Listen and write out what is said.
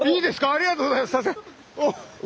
ありがとうございます。